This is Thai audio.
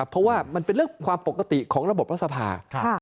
เพราะว่ามันเป็นเรื่องความปกติของระบบรัฐสภา